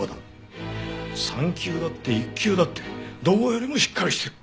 産休だって育休だってどこよりもしっかりしてる！